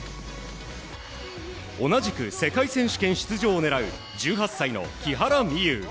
同じく世界選手権出場を狙う１８歳の木原美悠。